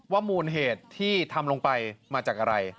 มูลเหตุที่ทำลงไปมาจากอะไร